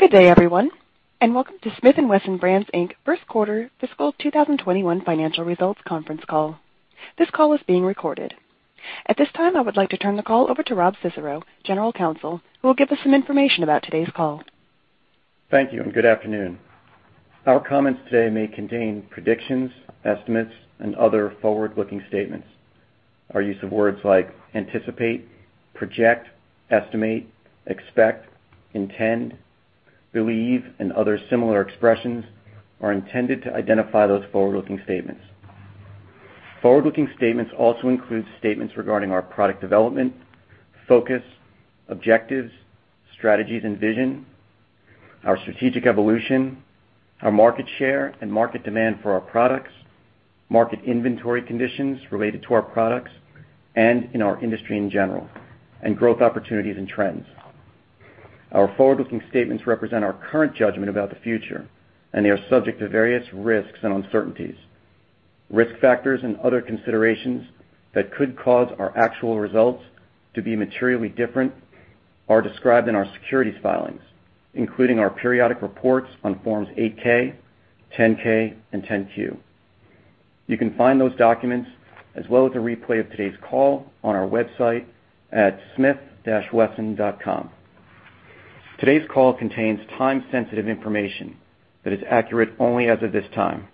Good day, everyone. Welcome to Smith & Wesson Brands, Inc. First Quarter Fiscal 2021 Financial Results Conference Call. This call is being recorded. At this time, I would like to turn the call over to Rob Cicero, General Counsel, who will give us some information about today's call. Thank you. Good afternoon. Our comments today may contain predictions, estimates, and other forward-looking statements. Our use of words like anticipate, project, estimate, expect, intend, believe, and other similar expressions are intended to identify those forward-looking statements. Forward-looking statements also include statements regarding our product development, focus, objectives, strategies and vision, our strategic evolution, our market share and market demand for our products, market inventory conditions related to our products, and in our industry in general, and growth opportunities and trends. Our forward-looking statements represent our current judgment about the future. They are subject to various risks and uncertainties. Risk factors and other considerations that could cause our actual results to be materially different are described in our securities filings, including our periodic reports on Forms 8-K, 10-K, and 10-Q. You can find those documents, as well as a replay of today's call, on our website at smith-wesson.com. Today's call contains time-sensitive information that is accurate only as of this time.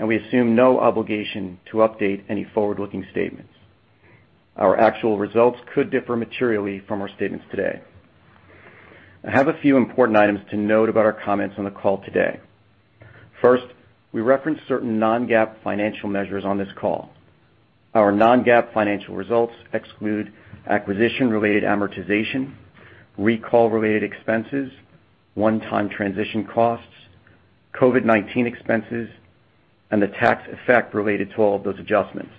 We assume no obligation to update any forward-looking statements. Our actual results could differ materially from our statements today. I have a few important items to note about our comments on the call today. First, we reference certain non-GAAP financial measures on this call. Our non-GAAP financial results exclude acquisition-related amortization, recall-related expenses, one-time transition costs, COVID-19 expenses, and the tax effect related to all of those adjustments.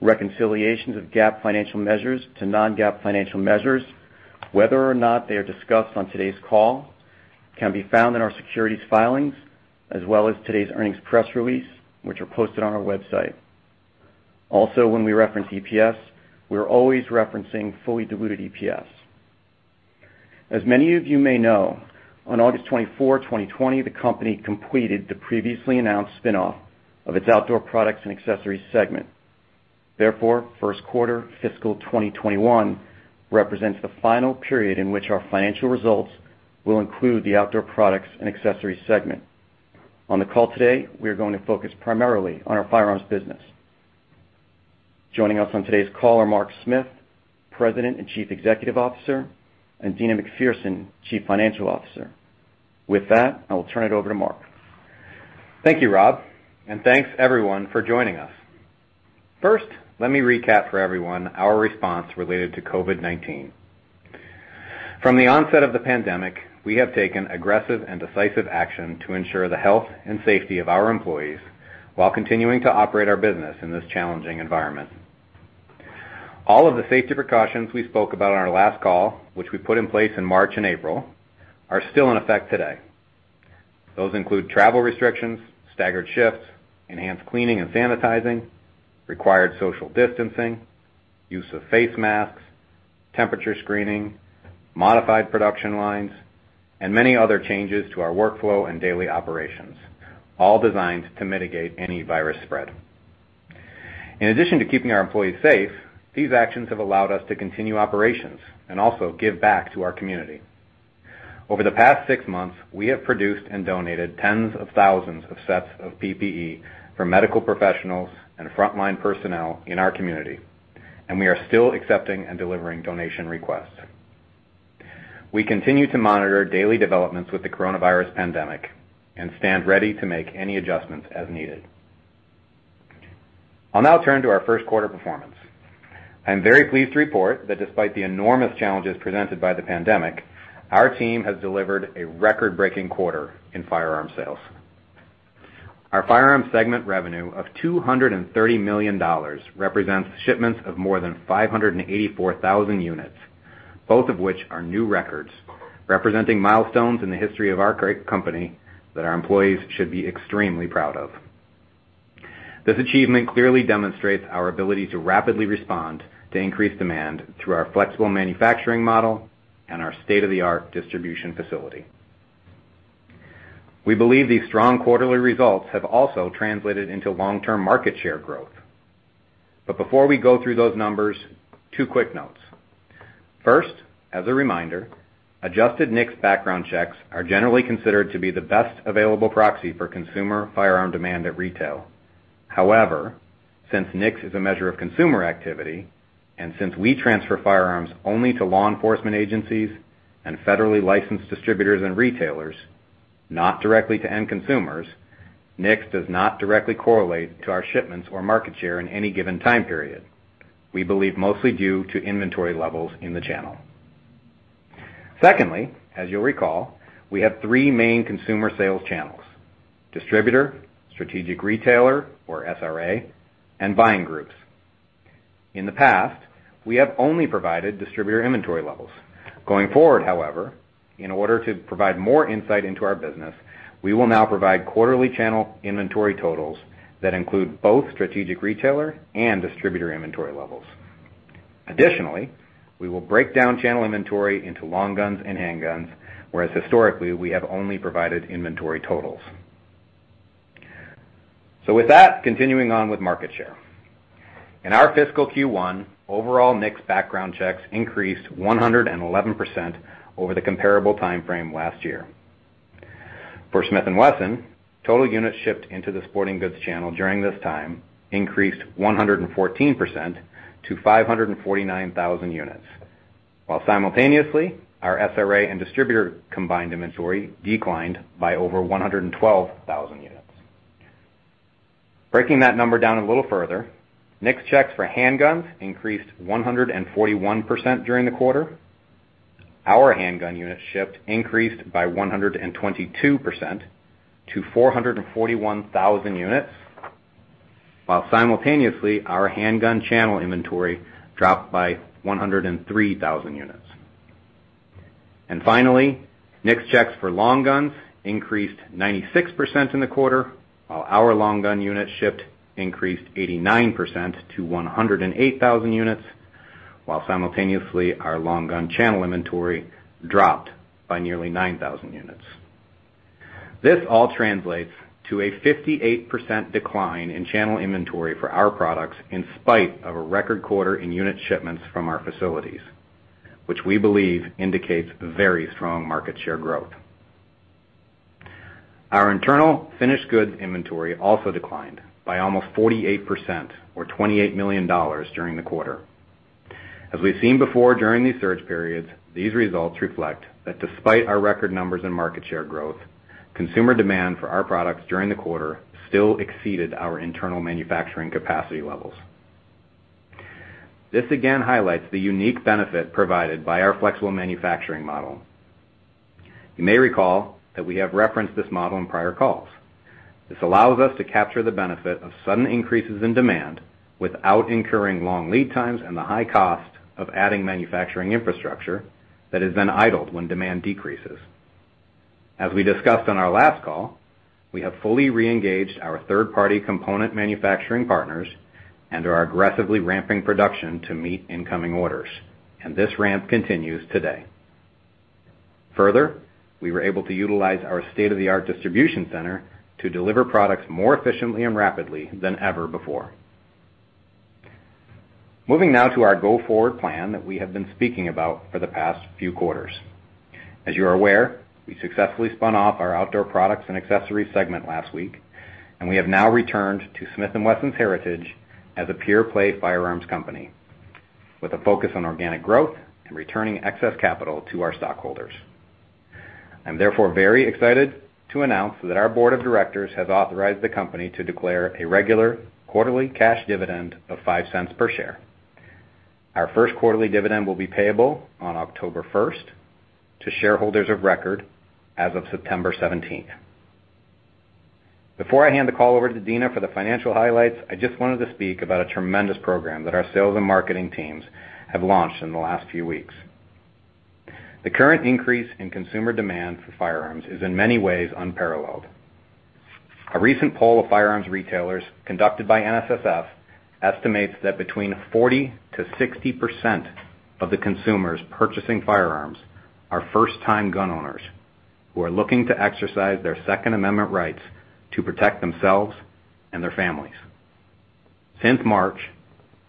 Reconciliations of GAAP financial measures to non-GAAP financial measures, whether or not they are discussed on today's call, can be found in our securities filings as well as today's earnings press release, which are posted on our website. Also, when we reference EPS, we are always referencing fully diluted EPS. As many of you may know, on August 24, 2020, the company completed the previously announced spin-off of its Outdoor Products & Accessories segment. Therefore, First Quarter Fiscal 2021 represents the final period in which our financial results will include the Outdoor Products & Accessories segment. On the call today, we are going to focus primarily on our firearms business. Joining us on today's call are Mark Smith, President and Chief Executive Officer, and Deana McPherson, Chief Financial Officer. With that, I will turn it over to Mark. Thank you, Rob, and thanks everyone for joining us. First, let me recap for everyone our response related to COVID-19. From the onset of the pandemic, we have taken aggressive and decisive action to ensure the health and safety of our employees while continuing to operate our business in this challenging environment. All of the safety precautions we spoke about on our last call, which we put in place in March and April, are still in effect today. Those include travel restrictions, staggered shifts, enhanced cleaning and sanitizing, required social distancing, use of face masks, temperature screening, modified production lines, and many other changes to our workflow and daily operations, all designed to mitigate any virus spread. In addition to keeping our employees safe, these actions have allowed us to continue operations and also give back to our community. Over the past six months, we have produced and donated tens of thousands of sets of PPE for medical professionals and frontline personnel in our community, and we are still accepting and delivering donation requests. We continue to monitor daily developments with the coronavirus pandemic and stand ready to make any adjustments as needed. I'll now turn to our first quarter performance. I'm very pleased to report that despite the enormous challenges presented by the pandemic, our team has delivered a record-breaking quarter in firearm sales. Our firearm segment revenue of $230 million represents shipments of more than 584,000 units, both of which are new records, representing milestones in the history of our great company that our employees should be extremely proud of. This achievement clearly demonstrates our ability to rapidly respond to increased demand through our flexible manufacturing model and our state-of-the-art distribution facility. We believe these strong quarterly results have also translated into long-term market share growth. Before we go through those numbers, two quick notes. First, as a reminder, adjusted NICS background checks are generally considered to be the best available proxy for consumer firearm demand at retail. However, since NICS is a measure of consumer activity, and since we transfer firearms only to law enforcement agencies and federally licensed distributors and retailers, not directly to end consumers, NICS does not directly correlate to our shipments or market share in any given time period, we believe mostly due to inventory levels in the channel. Secondly, as you'll recall, we have three main consumer sales channels: distributor, strategic retailer, or SRA, and buying groups. In the past, we have only provided distributor inventory levels. Going forward, however, in order to provide more insight into our business, we will now provide quarterly channel inventory totals that include both strategic retailer and distributor inventory levels. Additionally, we will break down channel inventory into long guns and handguns, whereas historically, we have only provided inventory totals. With that, continuing on with market share. In our fiscal Q1, overall NICS background checks increased 111% over the comparable timeframe last year. For Smith & Wesson, total units shipped into the sporting goods channel during this time increased 114% to 549,000 units, while simultaneously, our SRA and distributor combined inventory declined by over 112,000 units. Breaking that number down a little further, NICS checks for handguns increased 141% during the quarter. Our handgun units shipped increased by 122% to 441,000 units, while simultaneously, our handgun channel inventory dropped by 103,000 units. Finally, NICS checks for long guns increased 96% in the quarter, while our long gun units shipped increased 89% to 108,000 units, while simultaneously, our long gun channel inventory dropped by nearly 9,000 units. This all translates to a 58% decline in channel inventory for our products in spite of a record quarter in unit shipments from our facilities, which we believe indicates very strong market share growth. Our internal finished goods inventory also declined by almost 48%, or $28 million during the quarter. As we've seen before during these surge periods, these results reflect that despite our record numbers in market share growth, consumer demand for our products during the quarter still exceeded our internal manufacturing capacity levels. This again highlights the unique benefit provided by our flexible manufacturing model. You may recall that we have referenced this model in prior calls. This allows us to capture the benefit of sudden increases in demand without incurring long lead times and the high cost of adding manufacturing infrastructure that is then idled when demand decreases. Further, we were able to utilize our state-of-the-art distribution center to deliver products more efficiently and rapidly than ever before. As we discussed on our last call, we have fully reengaged our third-party component manufacturing partners and are aggressively ramping production to meet incoming orders, and this ramp continues today. Moving now to our go-forward plan that we have been speaking about for the past few quarters. As you are aware, we successfully spun off our Outdoor Products & Accessories segment last week, and we have now returned to Smith & Wesson's heritage as a pure-play firearms company with a focus on organic growth and returning excess capital to our stockholders. I am therefore very excited to announce that our board of directors has authorized the company to declare a regular quarterly cash dividend of $0.05 per share. Our first quarterly dividend will be payable on October 1st to shareholders of record as of September 17th. Before I hand the call over to Deana for the financial highlights, I just wanted to speak about a tremendous program that our sales and marketing teams have launched in the last few weeks. The current increase in consumer demand for firearms is in many ways unparalleled. A recent poll of firearms retailers conducted by NSSF estimates that between 40%-60% of the consumers purchasing firearms are first-time gun owners who are looking to exercise their Second Amendment rights to protect themselves and their families. Since March,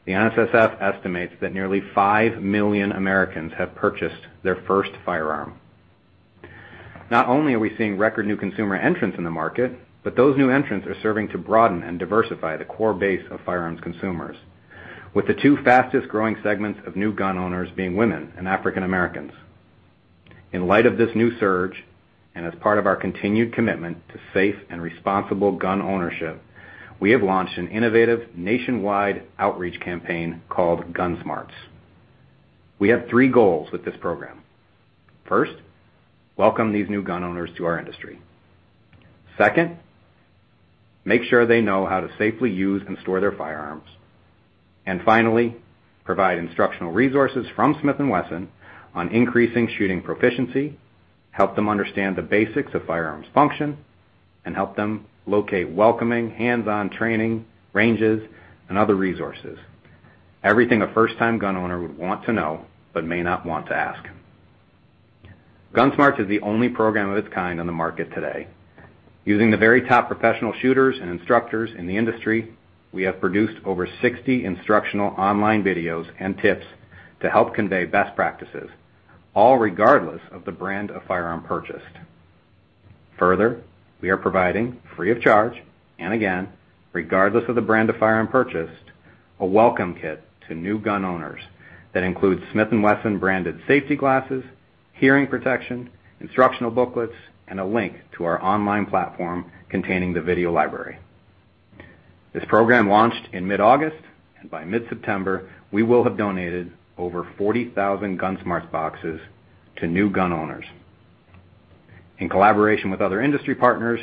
the NSSF estimates that nearly 5 million Americans have purchased their first firearm. Not only are we seeing record new consumer entrants in the market, but those new entrants are serving to broaden and diversify the core base of firearms consumers, with the two fastest-growing segments of new gun owners being women and African Americans. In light of this new surge, and as part of our continued commitment to safe and responsible gun ownership, we have launched an innovative nationwide outreach campaign called Gun Smarts. We have three goals with this program. First, welcome these new gun owners to our industry. Second, make sure they know how to safely use and store their firearms. Finally, provide instructional resources from Smith & Wesson on increasing shooting proficiency, help them understand the basics of firearms function, and help them locate welcoming hands-on training, ranges, and other resources. Everything a first-time gun owner would want to know but may not want to ask. Gun Smarts is the only program of its kind on the market today. Using the very top professional shooters and instructors in the industry, we have produced over 60 instructional online videos and tips to help convey best practices, all regardless of the brand of firearm purchased. Further, we are providing free of charge, and again, regardless of the brand of firearm purchased, a welcome kit to new gun owners that includes Smith & Wesson-branded safety glasses, hearing protection, instructional booklets, and a link to our online platform containing the video library. This program launched in mid-August, and by mid-September, we will have donated over 40,000 Gun Smarts boxes to new gun owners. In collaboration with other industry partners,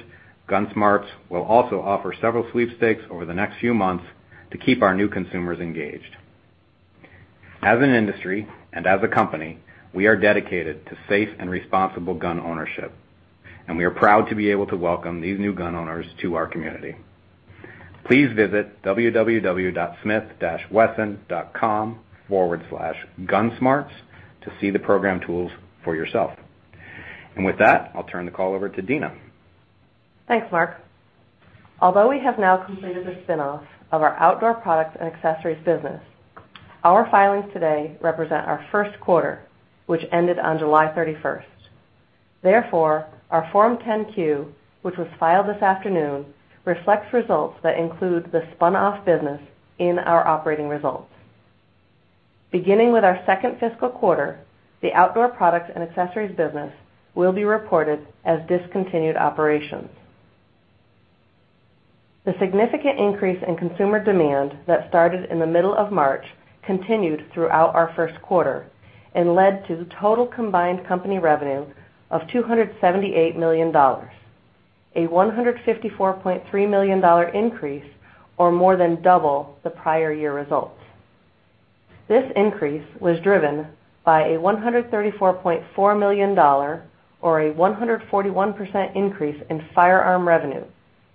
Gun Smarts will also offer several sweepstakes over the next few months to keep our new consumers engaged. As an industry and as a company, we are dedicated to safe and responsible gun ownership, and we are proud to be able to welcome these new gun owners to our community. Please visit www.smith-wesson.com/gunsmarts to see the program tools for yourself. With that, I'll turn the call over to Deana. Thanks, Mark. Although we have now completed the spin-off of our Outdoor Products & Accessories business, our filings today represent our first quarter, which ended on July 31st. Therefore, our Form 10-Q, which was filed this afternoon, reflects results that include the spun-off business in our operating results. Beginning with our second fiscal quarter, the Outdoor Products & Accessories business will be reported as discontinued operations. The significant increase in consumer demand that started in the middle of March continued throughout our first quarter and led to the total combined company revenue of $278 million, a $154.3 million increase, or more than double the prior year results. This increase was driven by a $134.4 million, or a 141% increase in firearm revenue,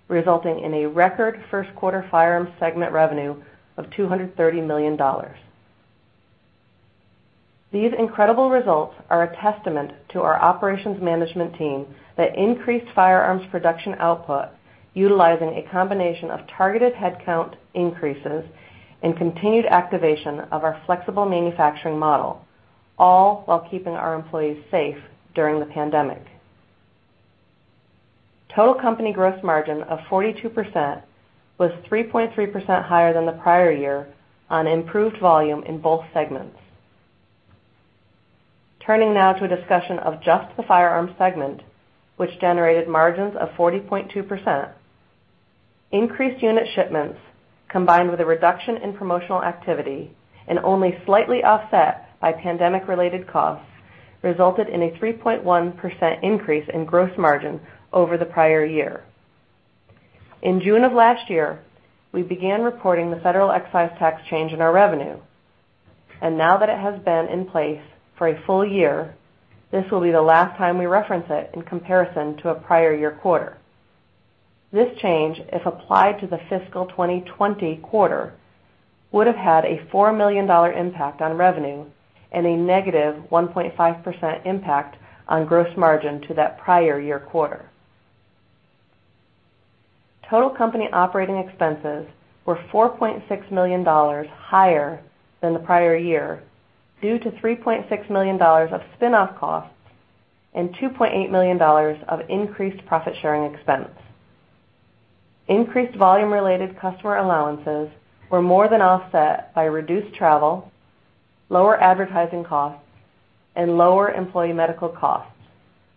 resulting in a record first quarter firearm segment revenue of $230 million. These incredible results are a testament to our operations management team that increased firearms production output utilizing a combination of targeted headcount increases and continued activation of our flexible manufacturing model, all while keeping our employees safe during the pandemic. Total company gross margin of 42% was 3.3% higher than the prior year on improved volume in both segments. Turning now to a discussion of just the firearm segment, which generated margins of 40.2%. Increased unit shipments, combined with a reduction in promotional activity and only slightly offset by pandemic-related costs, resulted in a 3.1% increase in gross margin over the prior year. In June of last year, we began reporting the federal excise tax change in our revenue, now that it has been in place for a full year, this will be the last time we reference it in comparison to a prior year quarter. This change, if applied to the fiscal 2020 quarter, would have had a $4 million impact on revenue and a negative 1.5% impact on gross margin to that prior year quarter. Total company operating expenses were $4.6 million higher than the prior year due to $3.6 million of spin-off costs and $2.8 million of increased profit-sharing expense. Increased volume-related customer allowances were more than offset by reduced travel, lower advertising costs, and lower employee medical costs,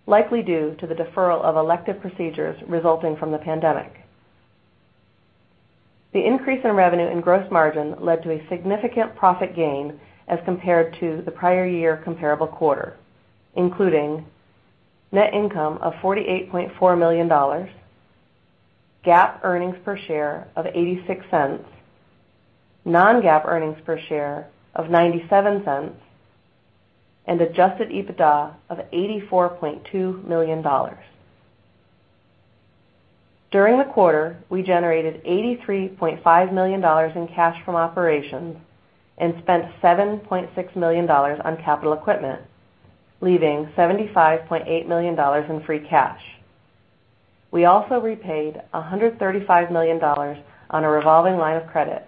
likely due to the deferral of elective procedures resulting from the pandemic. The increase in revenue and gross margin led to a significant profit gain as compared to the prior year comparable quarter, including net income of $48.4 million, GAAP earnings per share of $0.86, non-GAAP earnings per share of $0.97, and adjusted EBITDA of $84.2 million. During the quarter, we generated $83.5 million in cash from operations and spent $7.6 million on capital equipment, leaving $75.8 million in free cash. We also repaid $135 million on a revolving line of credit,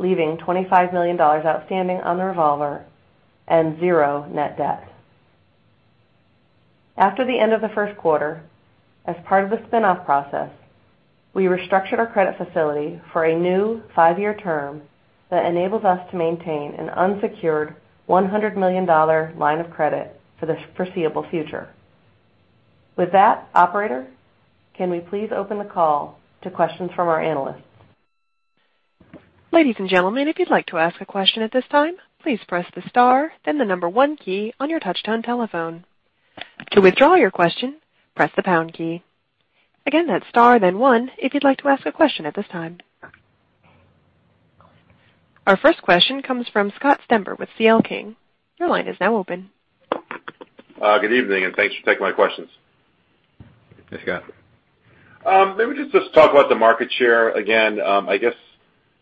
leaving $25 million outstanding on the revolver and zero net debt. After the end of the first quarter, as part of the spin-off process, we restructured our credit facility for a new five-year term that enables us to maintain an unsecured $100 million line of credit for the foreseeable future. With that, Operator, can we please open the call to questions from our analysts? Ladies and gentlemen, if you'd like to ask a question at this time, please press the star then the number one key on your touchtone telephone. To withdraw your question, press the pound key. Again, that's star then one if you'd like to ask a question at this time. Our first question comes from Scott Stember with C.L. King. Your line is now open. Good evening, thanks for taking my questions. Hey, Scott. Maybe just talk about the market share again. I guess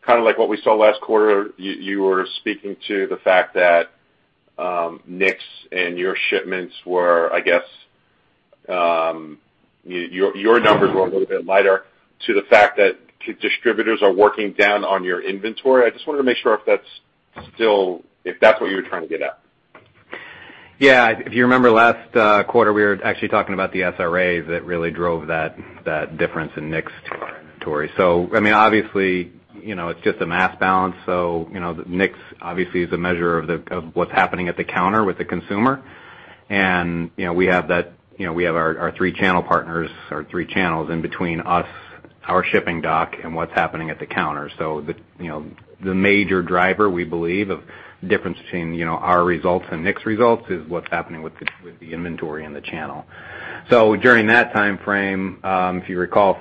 kind of like what we saw last quarter, you were speaking to the fact that NICS and your shipments were, I guess, your numbers were a little bit lighter to the fact that distributors are working down on your inventory. I just wanted to make sure if that's what you were trying to get at. Yeah. If you remember last quarter, we were actually talking about the SRAs that really drove that difference in NICS inventory. Obviously, it's just a mass balance. NICS obviously is a measure of what's happening at the counter with the consumer. We have our three channel partners or three channels in between us, our shipping dock, and what's happening at the counter. The major driver, we believe, of difference between our results and NICS results is what's happening with the inventory and the channel. During that time frame, if you recall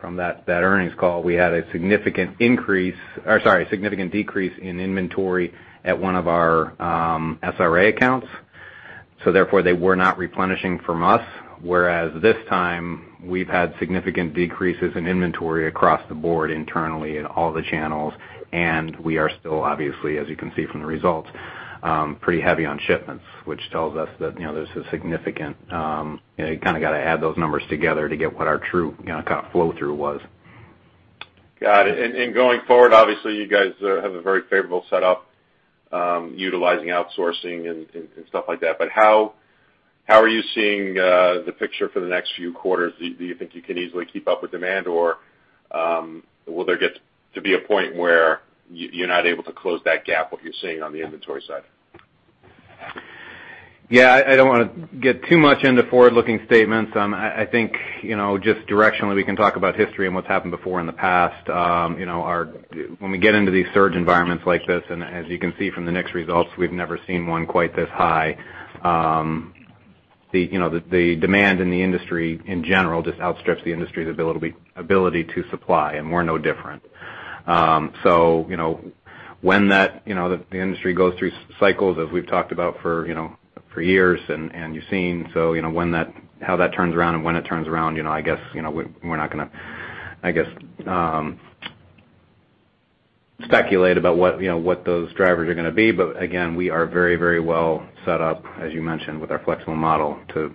from that earnings call, we had a significant decrease in inventory at one of our SRA accounts. Therefore, they were not replenishing from us, whereas this time we've had significant decreases in inventory across the board internally in all the channels, we are still, obviously, as you can see from the results, pretty heavy on shipments, which tells us that there's a significant. You kind of got to add those numbers together to get what our true kind of flow through was. Got it. Going forward, obviously, you guys have a very favorable setup, utilizing outsourcing and stuff like that. How are you seeing the picture for the next few quarters? Do you think you can easily keep up with demand, or will there get to be a point where you're not able to close that gap, what you're seeing on the inventory side? I don't want to get too much into forward-looking statements. I think, just directionally, we can talk about history and what's happened before in the past. When we get into these surge environments like this, as you can see from the NICS results, we've never seen one quite this high. The demand in the industry in general just outstrips the industry's ability to supply, and we're no different. When the industry goes through cycles, as we've talked about for years, and you've seen, how that turns around and when it turns around, I guess we're not going to speculate about what those drivers are going to be. Again, we are very well set up, as you mentioned, with our flexible model to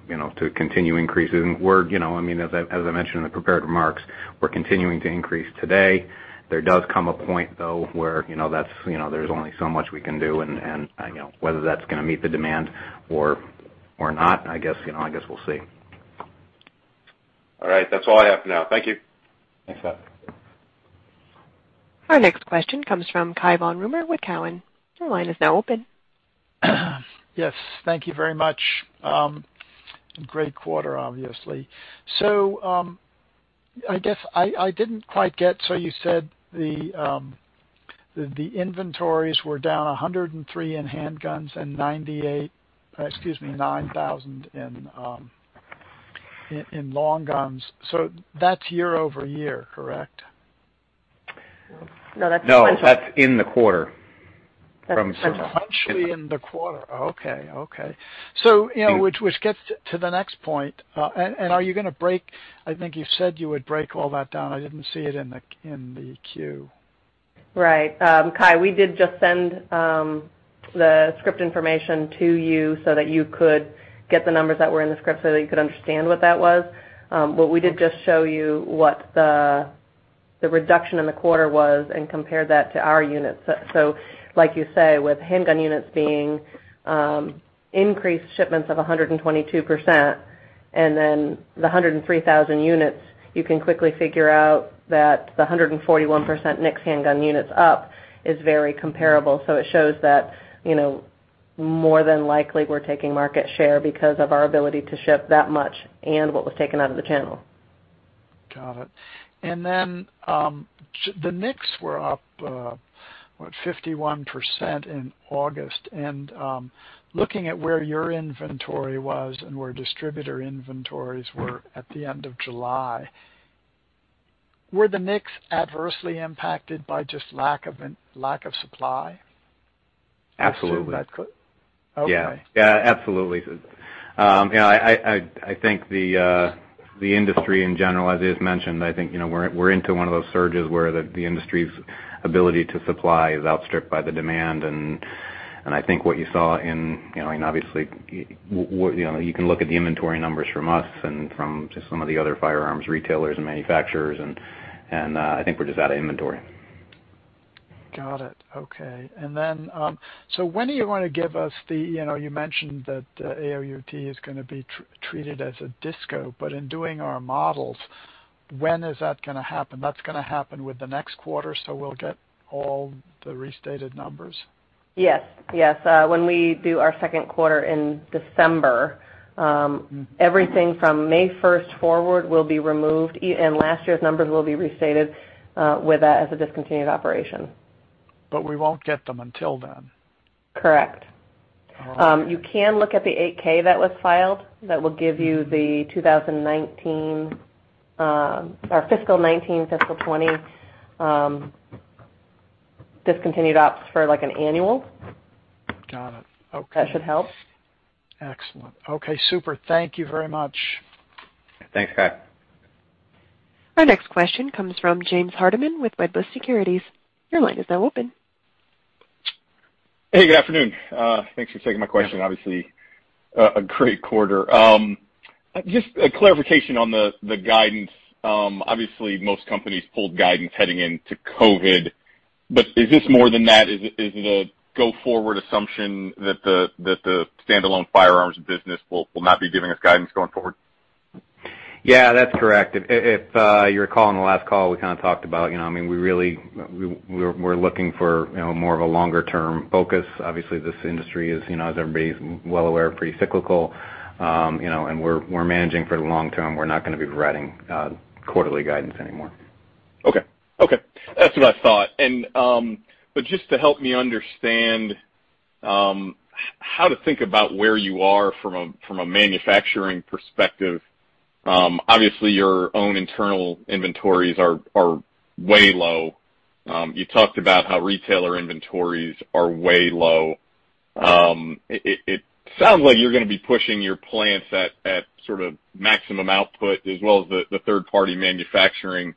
continue increasing. As I mentioned in the prepared remarks, we're continuing to increase today. There does come a point, though, where there's only so much we can do, and whether that's going to meet the demand or not, I guess we'll see. All right. That's all I have for now. Thank you. Thanks, Scott. Our next question comes from Cai von Rumohr with Cowen. Your line is now open. Yes, thank you very much. Great quarter, obviously. I guess I didn't quite get, so you said the inventories were down 103 in handguns and 98, excuse me, 9,000 in long guns. That's year-over-year, correct? No, that's in the quarter. Actually in the quarter. Okay. Which gets to the next point. Are you going to break, I think you said you would break all that down, I didn't see it in the 10-Q. Right. Cai, we did just send the script information to you so that you could get the numbers that were in the script so that you could understand what that was. We did just show you what the reduction in the quarter was and compared that to our units. Like you say, with handgun units being increased shipments of 122%, and then the 103,000 units, you can quickly figure out that the 141% NICS handgun units up is very comparable. It shows that, more than likely, we're taking market share because of our ability to ship that much and what was taken out of the channel. Got it. The NICS were up, what, 51% in August. Looking at where your inventory was and where distributor inventories were at the end of July, were the NICS adversely impacted by just lack of supply? Absolutely. Okay. Yeah, absolutely. I think the industry in general, as is mentioned, I think we're into one of those surges where the industry's ability to supply is outstripped by the demand, and I think what you saw, and obviously you can look at the inventory numbers from us and from just some of the other firearms retailers and manufacturers, and I think we're just out of inventory. Got it. Okay. When are you going to give us You mentioned that AOUT is going to be treated as a disco, but in doing our models, when is that going to happen? That's going to happen with the next quarter, so we'll get all the restated numbers? Yes. When we do our second quarter in December, everything from May 1 forward will be removed, and last year's numbers will be restated with that as a discontinued operation. We won't get them until then. Correct. You can look at the 8-K that was filed. That will give you the 2019, or fiscal 2019, fiscal 2020 discontinued ops for an annual. Got it. Okay. That should help. Excellent. Okay, super. Thank you very much. Thanks, Cai. Our next question comes from James Hardiman with Wedbush Securities. Your line is now open. Hey, good afternoon. Thanks for taking my question. Obviously, a great quarter. Just a clarification on the guidance. Obviously, most companies pulled guidance heading into COVID, is this more than that? Is it a go-forward assumption that the standalone firearms business will not be giving us guidance going forward? Yeah, that's correct. If you recall, on the last call, we kind of talked about we're looking for more of a longer-term focus. Obviously, this industry is, as everybody's well aware, pretty cyclical. We're managing for the long term. We're not going to be providing quarterly guidance anymore. Okay. That's what I thought. Just to help me understand how to think about where you are from a manufacturing perspective. Obviously, your own internal inventories are way low. You talked about how retailer inventories are way low. It sounds like you're going to be pushing your plants at sort of maximum output, as well as the third-party manufacturing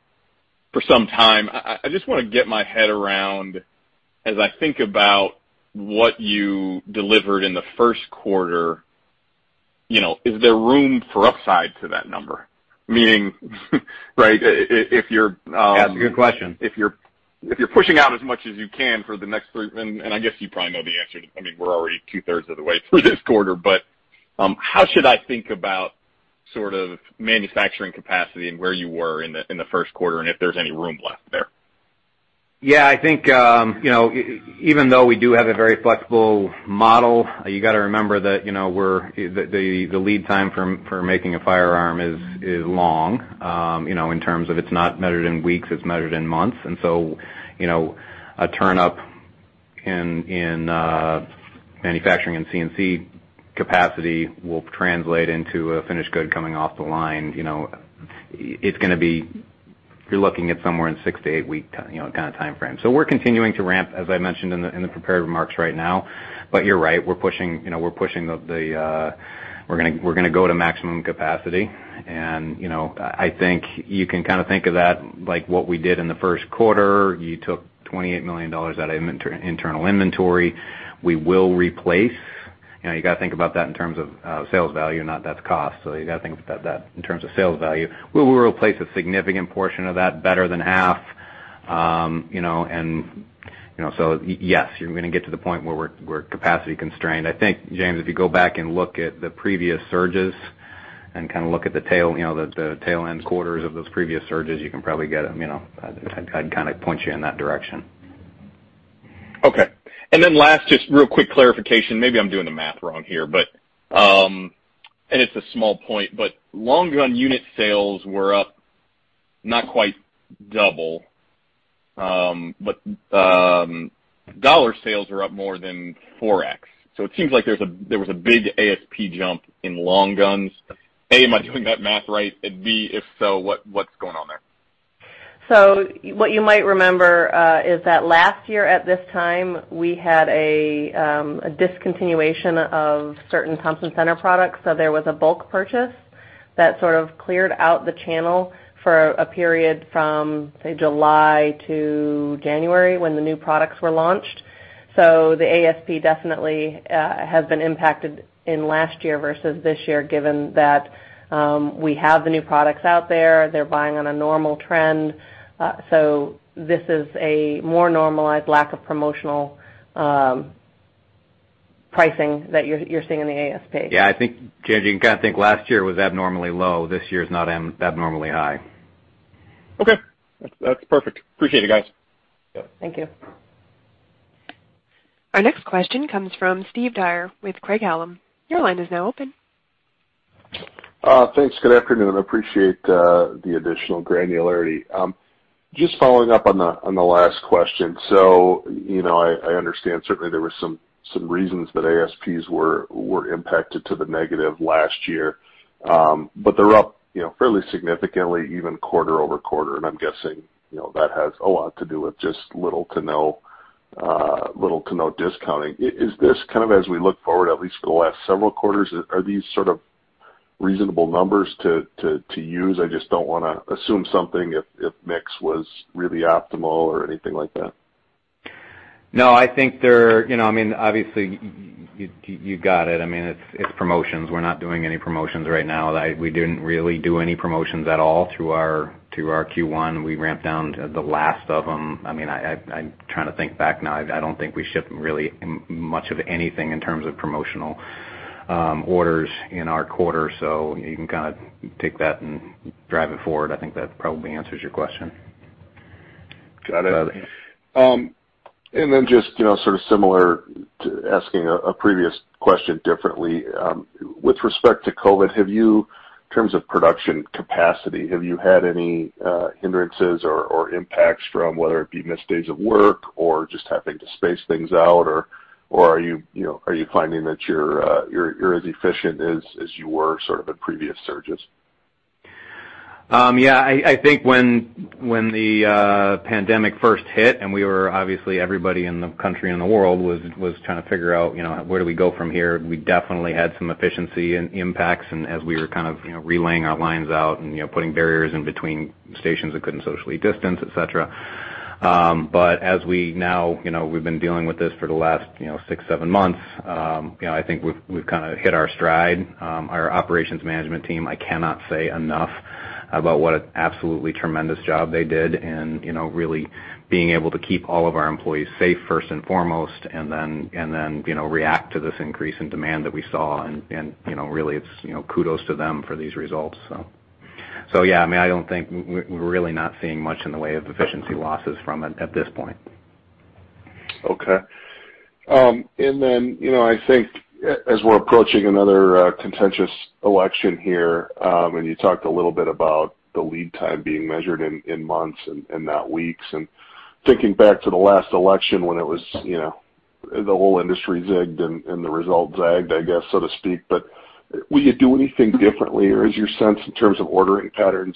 for some time. I just want to get my head around, as I think about what you delivered in the first quarter, is there room for upside to that number? That's a good question if you're pushing out as much as you can for the next three, and I guess you probably know the answer to, we're already two-thirds of the way through this quarter, but how should I think about sort of manufacturing capacity and where you were in the first quarter, and if there's any room left there? Yeah, I think, even though we do have a very flexible model, you got to remember that the lead time for making a firearm is long, in terms of it's not measured in weeks, it's measured in months. A turn-up in manufacturing and CNC capacity will translate into a finished good coming off the line. You're looking at somewhere in 6 to 8-week kind of timeframe. We're continuing to ramp, as I mentioned in the prepared remarks right now. You're right. We're going to go to maximum capacity, and I think you can kind of think of that, like what we did in the first quarter. You took $28 million out of internal inventory. You got to think about that in terms of sales value, not that's cost. You got to think about that in terms of sales value. We will replace a significant portion of that, better than half. Yes, you're going to get to the point where we're capacity constrained. I think, James, if you go back and look at the previous surges and kind of look at the tail-end quarters of those previous surges, you can probably get them. I'd kind of point you in that direction. Last, just real quick clarification. Maybe I'm doing the math wrong here, and it's a small point, but long gun unit sales were up, not quite double. Dollar sales are up more than 4x. It seems like there was a big ASP jump in long guns. A, am I doing that math right? B, if so, what's going on there? What you might remember, is that last year at this time, we had a discontinuation of certain Thompson Center products. There was a bulk purchase that sort of cleared out the channel for a period from, say, July to January, when the new products were launched. The ASP definitely has been impacted in last year versus this year, given that we have the new products out there. They're buying on a normal trend. This is a more normalized lack of promotional pricing that you're seeing in the ASP. Yeah, I think, James, you can kind of think last year was abnormally low. This year is not abnormally high. Okay. That's perfect. Appreciate it, guys. Yep. Thank you. Our next question comes from Steve Dyer with Craig-Hallum. Your line is now open. Thanks. Good afternoon. Appreciate the additional granularity. Just following up on the last question. I understand certainly there were some reasons that ASPs were impacted to the negative last year. They're up fairly significantly even quarter-over-quarter, and I'm guessing that has a lot to do with just little to no discounting. Is this kind of, as we look forward, at least for the last several quarters, are these sort of reasonable numbers to use? I just don't want to assume something if mix was really optimal or anything like that. I think, obviously, you got it. It's promotions. We're not doing any promotions right now. We didn't really do any promotions at all through our Q1. We ramped down the last of them. I'm trying to think back now. I don't think we shipped really much of anything in terms of promotional orders in our quarter. You can kind of take that and drive it forward. I think that probably answers your question. Got it. Just sort of similar to asking a previous question differently. With respect to COVID, in terms of production capacity, have you had any hindrances or impacts from, whether it be missed days of work or just having to space things out, or are you finding that you're as efficient as you were sort of at previous surges? Yeah, I think when the pandemic first hit, and we were obviously, everybody in the country and the world was trying to figure out where do we go from here, we definitely had some efficiency impacts, and as we were kind of relaying our lines out and putting barriers in between stations that couldn't socially distance, et cetera. As we now, we've been dealing with this for the last six, seven months. I think we've kind of hit our stride. Our operations management team, I cannot say enough about what an absolutely tremendous job they did in really being able to keep all of our employees safe, first and foremost, and then react to this increase in demand that we saw, and really, it's kudos to them for these results. Yeah, we're really not seeing much in the way of efficiency losses from it at this point. Okay. I think as we're approaching another contentious election here, and you talked a little bit about the lead time being measured in months and not weeks, and thinking back to the last election when it was the whole industry zigged and the result zagged, I guess, so to speak. Will you do anything differently, or is your sense in terms of ordering patterns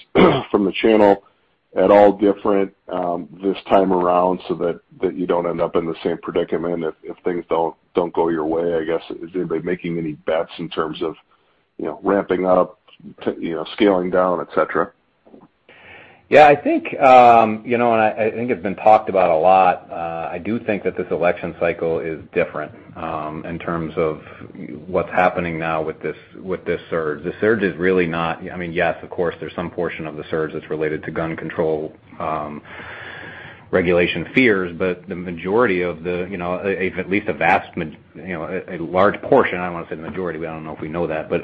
from the channel at all different, this time around, so that you don't end up in the same predicament if things don't go your way, I guess? Is anybody making any bets in terms of ramping up, scaling down, et cetera? Yeah. I think it's been talked about a lot. I do think that this election cycle is different in terms of what's happening now with this surge. The surge is really not yes, of course, there's some portion of the surge that's related to gun control regulation fears, but at least a large portion, I don't want to say the majority, but I don't know if we know that, but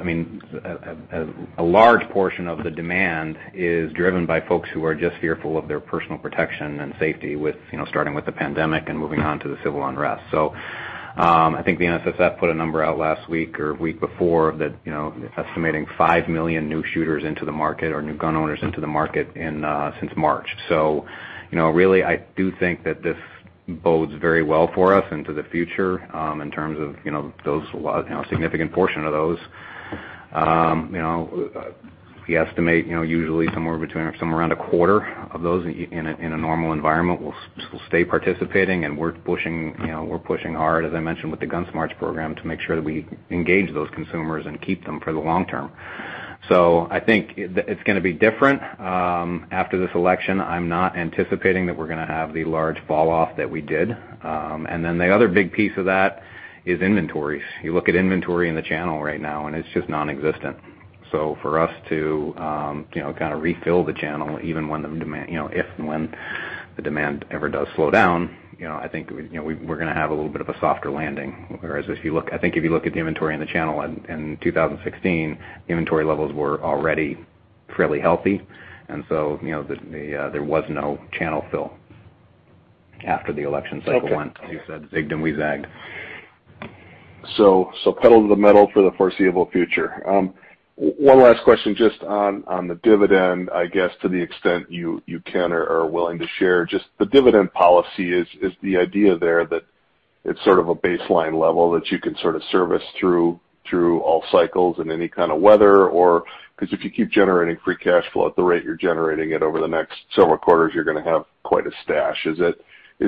a large portion of the demand is driven by folks who are just fearful of their personal protection and safety, starting with the pandemic and moving on to the civil unrest. I think the NSSF put a number out last week or week before estimating 5 million new shooters into the market, or new gun owners into the market since March. Really, I do think that this bodes very well for us into the future, in terms of a significant portion of those. We estimate usually somewhere around a quarter of those in a normal environment will stay participating, and we're pushing hard, as I mentioned, with the Gun Smarts program, to make sure that we engage those consumers and keep them for the long term. I think it's going to be different. After this election, I'm not anticipating that we're going to have the large falloff that we did. The other big piece of that is inventories. You look at inventory in the channel right now, and it's just nonexistent. For us to kind of refill the channel, even if and when the demand ever does slow down, I think we're going to have a little bit of a softer landing. Whereas I think if you look at the inventory in the channel in 2016, inventory levels were already fairly healthy. There was no channel fill after the election cycle. Okay as you said, zigged and we zagged. Pedal to the metal for the foreseeable future. One last question just on the dividend, I guess to the extent you can or are willing to share. Just the dividend policy, is the idea there that it's sort of a baseline level that you can sort of service through all cycles in any kind of weather? Because if you keep generating free cash flow at the rate you're generating it over the next several quarters, you're going to have quite a stash. Is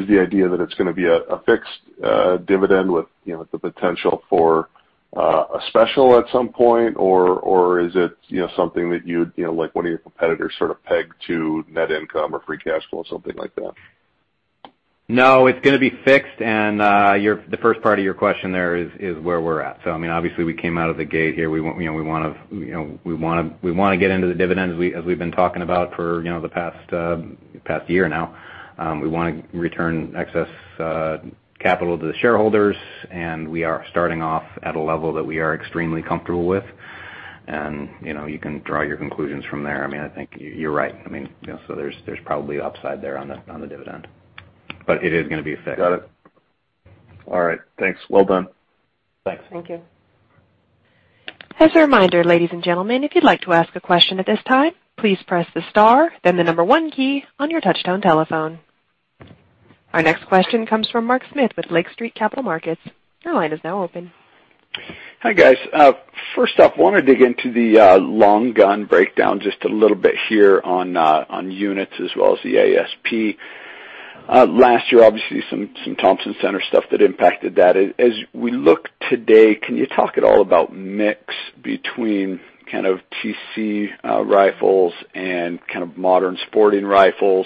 the idea that it's going to be a fixed dividend with the potential for a special at some point, or is it something that you'd, like one of your competitors, sort of peg to net income or free cash flow, something like that? No, it's going to be fixed. The first part of your question there is where we're at. Obviously, we came out of the gate here. We want to get into the dividend, as we've been talking about for the past year now. We want to return excess capital to the shareholders, and we are starting off at a level that we are extremely comfortable with. You can draw your conclusions from there. I think you're right. There's probably upside there on the dividend. It is going to be fixed. Got it. All right, thanks. Well done. Thanks. Thank you. As a reminder, ladies and gentlemen, if you'd like to ask a question at this time, please press the star, then the number one key on your touchtone telephone. Our next question comes from Mark Smith with Lake Street Capital Markets. Your line is now open. Hi, guys. First off, I want to dig into the long gun breakdown just a little bit here on units as well as the ASP. Last year, obviously, some Thompson Center stuff that impacted that. As we look today, can you talk at all about mix between kind of TC rifles and kind of modern sporting rifles,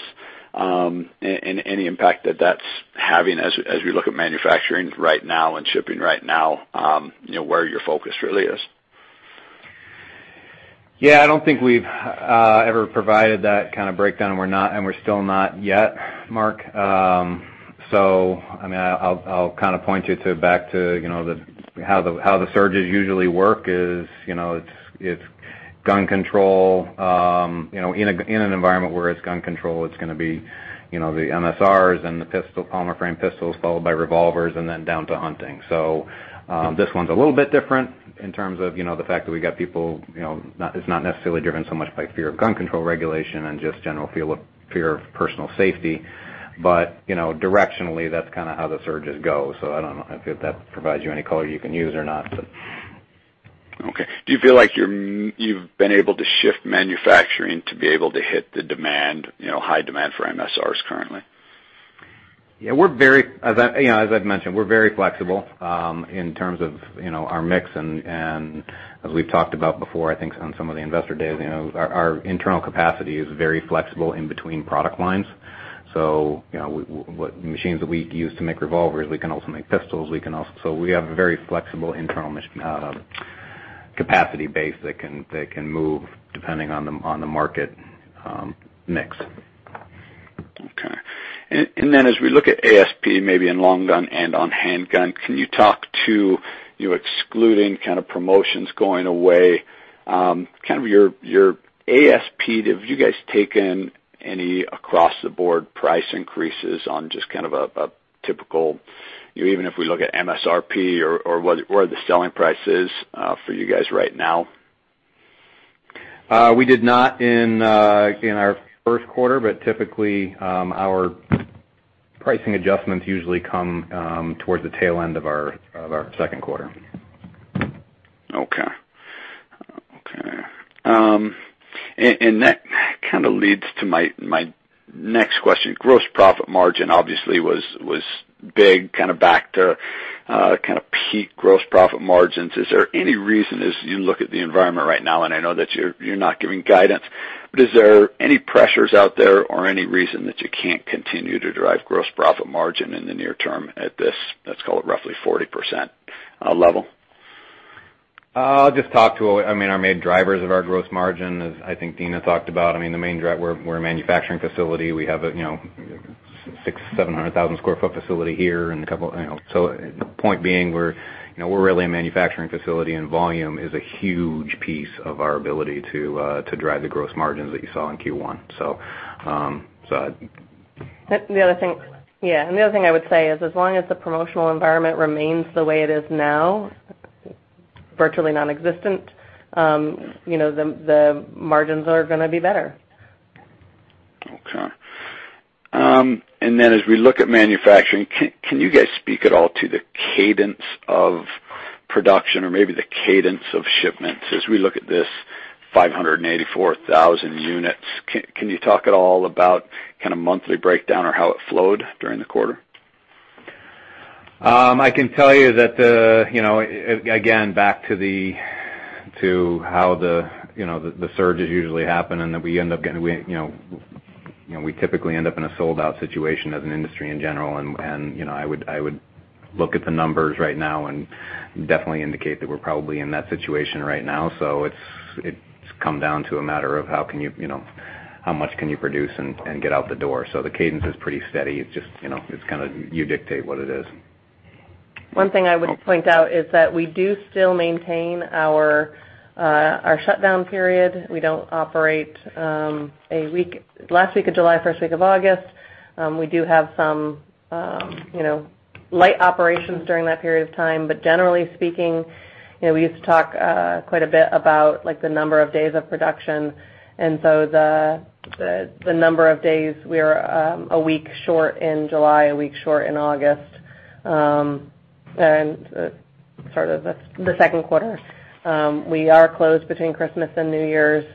and any impact that that's having as we look at manufacturing right now and shipping right now, where your focus really is? Yeah, I don't think we've ever provided that kind of breakdown, and we're still not yet, Mark. I'll kind of point you back to how the surges usually work is, it's gun control. In an environment where it's gun control, it's going to be the MSRs and the polymer-framed pistols, followed by revolvers, and then down to hunting. This one's a little bit different in terms of the fact that we've got people. It's not necessarily driven so much by fear of gun control regulation and just general fear of personal safety. Directionally, that's kind of how the surges go. I don't know if that provides you any color you can use or not. Okay. Do you feel like you've been able to shift manufacturing to be able to hit the high demand for MSRs currently? Yeah. As I've mentioned, we're very flexible in terms of our mix. As we've talked about before, I think on some of the investor days, our internal capacity is very flexible in between product lines. What machines that we use to make revolvers, we can also make pistols. We have a very flexible internal capacity base that can move depending on the market mix. Okay. Then as we look at ASP, maybe in long gun and on handgun, can you talk to excluding kind of promotions going away, kind of your ASP, have you guys taken any across-the-board price increases on just kind of a typical even if we look at MSRP or where the selling price is for you guys right now? We did not in our first quarter, typically, our pricing adjustments usually come towards the tail end of our second quarter. Okay. That kind of leads to my next question. Gross profit margin obviously was big, kind of back to peak gross profit margins. Is there any reason as you look at the environment right now, I know that you're not giving guidance, is there any pressures out there or any reason that you can't continue to drive gross profit margin in the near term at this, let's call it, roughly 40% level? I'll just talk to our main drivers of our gross margin, as I think Deana talked about. We're a manufacturing facility. We have a 600,000-700,000 square foot facility here. The point being, we're really a manufacturing facility, volume is a huge piece of our ability to drive the gross margins that you saw in Q1. The other thing I would say is as long as the promotional environment remains the way it is now, virtually nonexistent, the margins are going to be better. Okay. As we look at manufacturing, can you guys speak at all to the cadence of production or maybe the cadence of shipments? As we look at this 584,000 units, can you talk at all about kind of monthly breakdown or how it flowed during the quarter? I can tell you that, again, back to how the surges usually happen and that we typically end up in a sold-out situation as an industry in general. I would look at the numbers right now and definitely indicate that we're probably in that situation right now. It's come down to a matter of how much can you produce and get out the door. The cadence is pretty steady. It's just you dictate what it is. One thing I would point out is that we do still maintain our shutdown period. We don't operate last week of July, first week of August. We do have some light operations during that period of time, but generally speaking, we used to talk quite a bit about the number of days of production, and so the number of days, we are a week short in July, a week short in August, and sort of that's the second quarter. We are closed between Christmas and New Year's,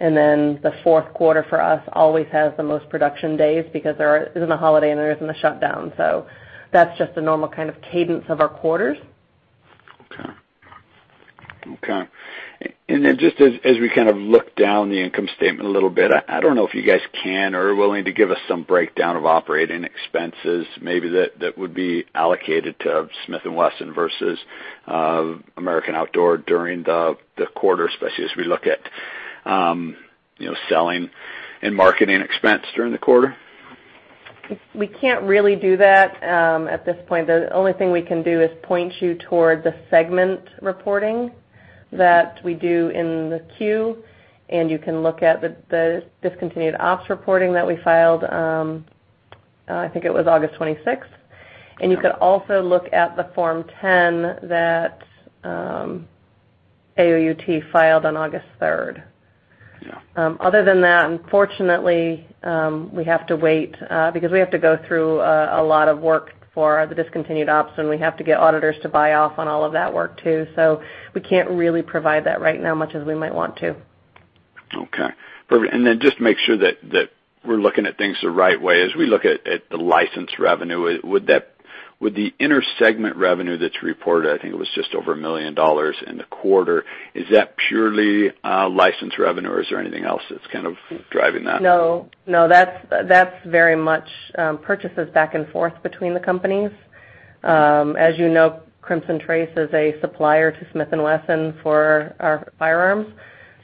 and then the fourth quarter for us always has the most production days because there isn't a holiday and there isn't a shutdown. That's just the normal kind of cadence of our quarters. Okay. Just as we kind of look down the income statement a little bit, I don't know if you guys can or are willing to give us some breakdown of operating expenses maybe that would be allocated to Smith & Wesson versus American Outdoor during the quarter, especially as we look at selling and marketing expense during the quarter. We can't really do that at this point. The only thing we can do is point you toward the segment reporting that we do in the Q, you can look at the discontinued ops reporting that we filed, I think it was August 26th. You could also look at the Form 10 that AOUT filed on August 3rd. Yeah. Other than that, unfortunately, we have to wait, because we have to go through a lot of work for the discontinued ops, and we have to get auditors to buy off on all of that work, too. We can't really provide that right now, much as we might want to. Okay. Perfect. Just to make sure that we're looking at things the right way, as we look at the license revenue, would the inter-segment revenue that's reported, I think it was just over $1 million in the quarter, is that purely license revenue, or is there anything else that's kind of driving that? No. That's very much purchases back and forth between the companies. As you know, Crimson Trace is a supplier to Smith & Wesson for our firearms.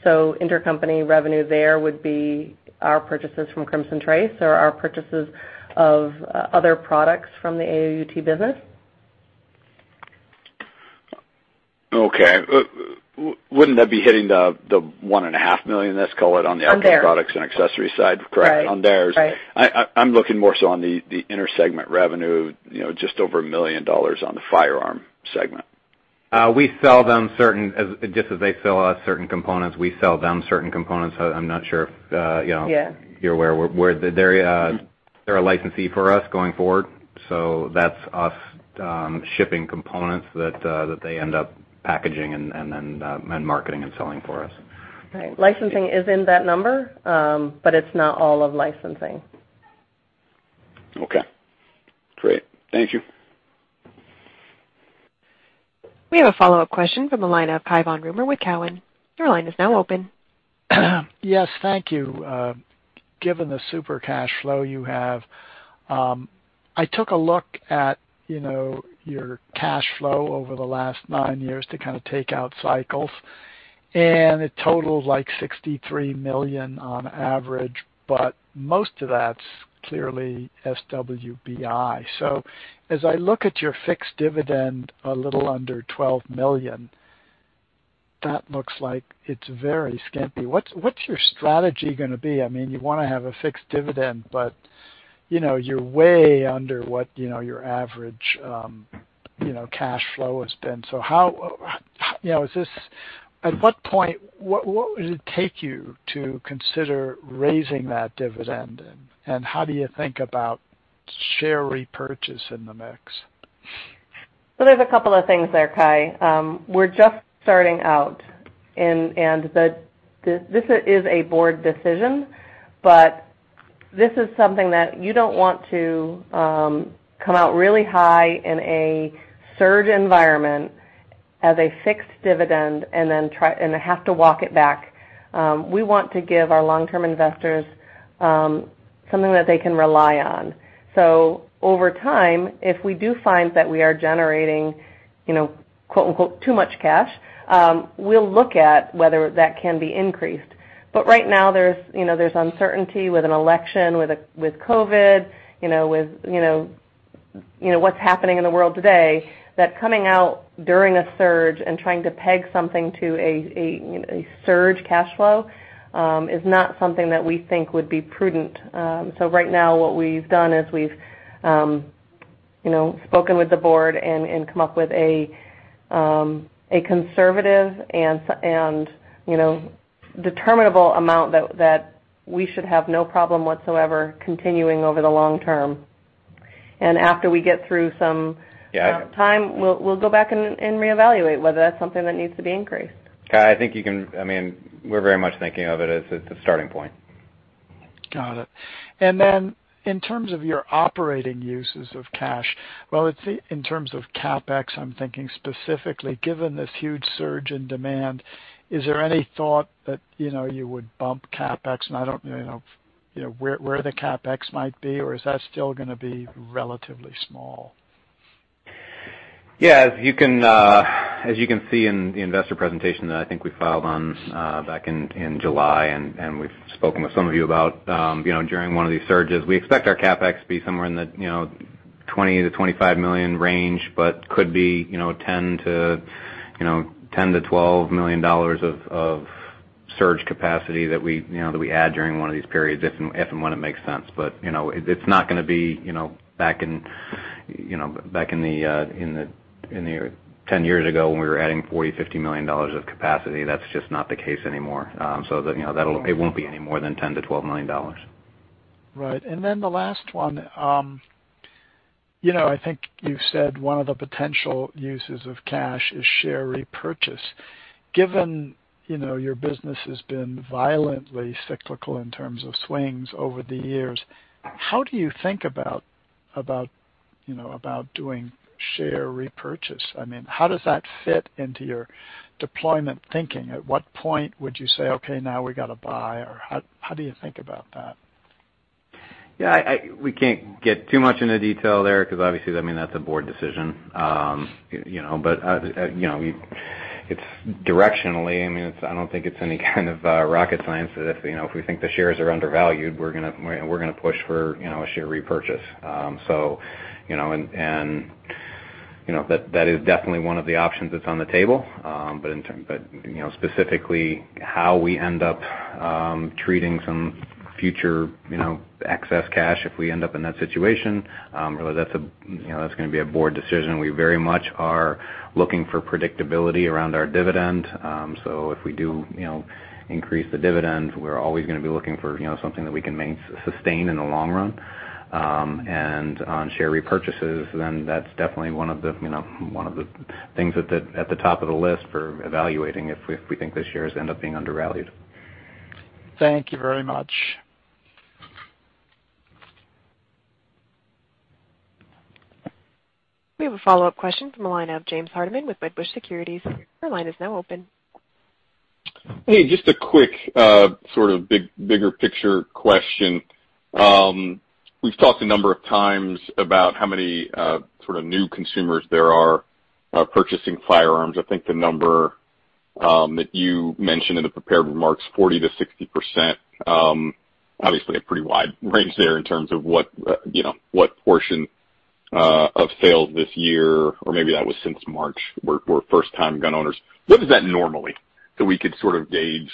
Intercompany revenue there would be our purchases from Crimson Trace or our purchases of other products from the AOUT business. Okay. Wouldn't that be hitting the one and a half million, let's call it, on the outdoor- On theirs Outdoor Products & Accessories side? Correct. Right. On theirs. Right. I'm looking more so on the inter-segment revenue, just over $1 million on the firearm segment. Just as they sell us certain components, we sell them certain components. I'm not sure. Yeah You're aware. They're a licensee for us going forward. That's us shipping components that they end up packaging and then marketing and selling for us. Right. Licensing is in that number, but it's not all of licensing. Okay. Great. Thank you. We have a follow-up question from the line of Cai von Rumohr with Cowen. Your line is now open. Yes. Thank you. Given the super cash flow you have, I took a look at your cash flow over the last nine years to kind of take out cycles, and it totals like $63 million on average, but most of that's clearly SWBI. As I look at your fixed dividend, a little under $12 million, that looks like it's very skimpy. What's your strategy going to be? You want to have a fixed dividend, but you're way under what your average cash flow has been. At what point, what would it take you to consider raising that dividend? How do you think about share repurchase in the mix? there's a couple of things there, Cai. We're just starting out, and this is a board decision, but this is something that you don't want to come out really high in a surge environment as a fixed dividend and then have to walk it back. We want to give our long-term investors something that they can rely on. Over time, if we do find that we are generating "too much cash," we'll look at whether that can be increased. Right now there's uncertainty with an election, with COVID, with what's happening in the world today, that coming out during a surge and trying to peg something to a surge cash flow is not something that we think would be prudent. Right now what we've done is we've spoken with the board and come up with a conservative and determinable amount that we should have no problem whatsoever continuing over the long term. After we get through some time, we'll go back and reevaluate whether that's something that needs to be increased. Cai, we're very much thinking of it as a starting point. Got it. Then in terms of your operating uses of cash, well, in terms of CapEx, I'm thinking specifically, given this huge surge in demand, is there any thought that you would bump CapEx? I don't know where the CapEx might be, or is that still going to be relatively small? Yeah. As you can see in the investor presentation that I think we filed back in July, and we've spoken with some of you about, during one of these surges, we expect our CapEx to be somewhere in the $20 million-$25 million range, but could be $10 million-$12 million of surge capacity that we add during one of these periods if and when it makes sense. It's not going to be back in the 10 years ago when we were adding $40 million-$50 million of capacity. That's just not the case anymore. It won't be any more than $10 million-$12 million. Right. The last one. I think you've said one of the potential uses of cash is share repurchase. Given your business has been violently cyclical in terms of swings over the years, how do you think about doing share repurchase? How does that fit into your deployment thinking? At what point would you say, "Okay, now we got to buy," or how do you think about that? Yeah, we can't get too much into detail there, because obviously, that's a board decision. Directionally, I don't think it's any kind of rocket science that if we think the shares are undervalued, we're going to push for a share repurchase. That is definitely one of the options that's on the table. Specifically, how we end up treating some future excess cash if we end up in that situation, really, that's going to be a board decision. We very much are looking for predictability around our dividend. If we do increase the dividend, we're always going to be looking for something that we can sustain in the long run. On share repurchases, that's definitely one of the things at the top of the list for evaluating if we think the shares end up being undervalued. Thank you very much. We have a follow-up question from the line of James Hardiman with Wedbush Securities. Your line is now open. Hey, just a quick sort of bigger picture question. We've talked a number of times about how many sort of new consumers there are purchasing firearms. I think the number that you mentioned in the prepared remarks, 40%-60%, obviously a pretty wide range there in terms of what portion of sales this year, or maybe that was since March, were first-time gun owners. What is that normally? We could sort of gauge.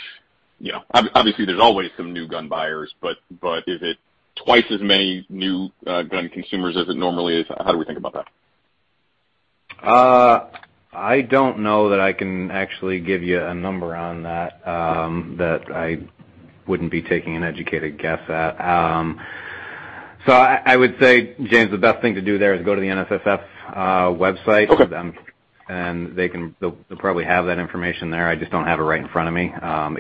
Obviously there's always some new gun buyers, but is it twice as many new gun consumers as it normally is? How do we think about that? I don't know that I can actually give you a number on that I wouldn't be taking an educated guess at. I would say, James, the best thing to do there is go to the NSSF website. Okay. They'll probably have that information there. I just don't have it right in front of me.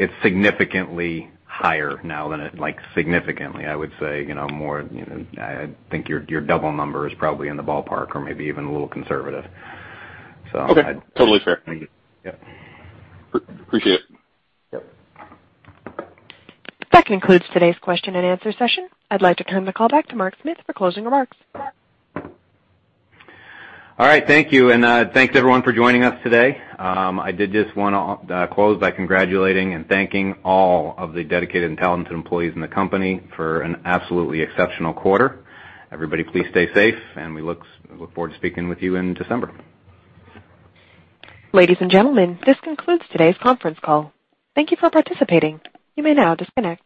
It's significantly higher now. Significantly, I would say, I think your double number is probably in the ballpark or maybe even a little conservative. Okay. Totally fair. Thank you. Yep. Appreciate it. Yep. That concludes today's question and answer session. I'd like to turn the call back to Mark Smith for closing remarks. All right. Thank you, and thanks everyone for joining us today. I did just want to close by congratulating and thanking all of the dedicated and talented employees in the company for an absolutely exceptional quarter. Everybody please stay safe, and we look forward to speaking with you in December. Ladies and gentlemen, this concludes today's conference call. Thank you for participating. You may now disconnect.